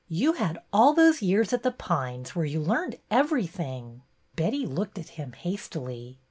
You had all those years at The Pines, where you learned everything." Betty looked at him hastily.